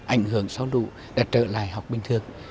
ảnh hưởng sau lũ đã trở lại học bình thường